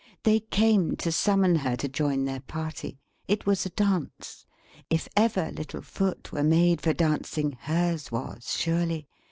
They came to summon her to join their party. It was a dance. If ever little foot were made for dancing, hers was, surely.